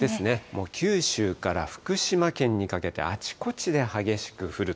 もう九州から福島県にかけて、あちこちで激しく降る